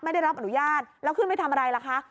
ไม่ได้รับอนุญาตแล้วขึ้นไม่ทำอะไรล่ะคะ